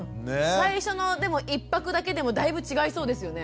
最初のでも１泊だけでもだいぶ違いそうですよね。